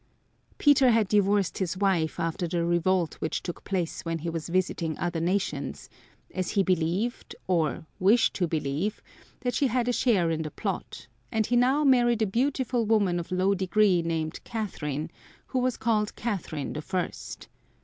Peter had divorced his wife after the revolt which took place when he was visiting other nations, as he believed, or wished to believe, that she had a share in the plot, and he now married a beautiful woman of low degree named Catherine who was called Catherine the First.